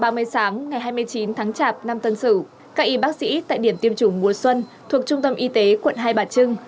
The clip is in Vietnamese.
tám giờ ba mươi sáng ngày hai mươi chín tháng chạp năm tân sử các y bác sĩ tại điểm tiêm chủng mùa xuân thuộc trung tâm y tế quận hai bà trưng